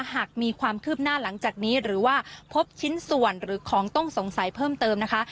หากมีความคืบหน้าหลังจากนี้หรือว่าพบชิ้นส่วนหรือของต้องสงสัยเพิ่มเติมนะคะ